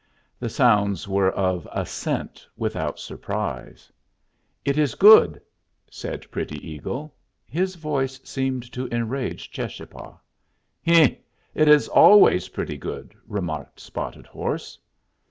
The sounds were of assent without surprise. "It is good," said Pretty Eagle. His voice seemed to enrage Cheschapah. "Heh! it is always pretty good!" remarked Spotted Horse.